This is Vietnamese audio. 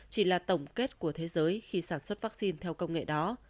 chỉ là tổng kết của thế giới khi sản xuất vaccine theo công nghệ đó